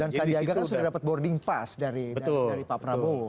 dan sandiaga kan sudah dapat boarding pass dari pak prabowo